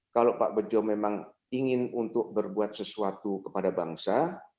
kalau pak bejo memang ingin untuk berbuat sesuatu kepada bangsa